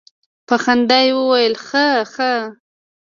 په خندا يې وويل خه خه.